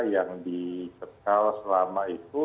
yang dicekal selama itu